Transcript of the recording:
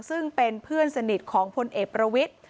ซึ่งเป็นเพื่อนสนิทของพลเอกประวิทธิ์